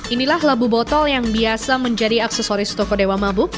inilah labu botol yang biasa menjadi aksesoris toko dewa mabuk